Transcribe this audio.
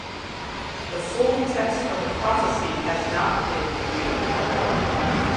The full text of the prophecy has not been revealed.